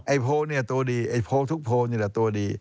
ไอ้โพลนี่ล่ะตัวดีทุกโพลนี่ล่ะตัวดี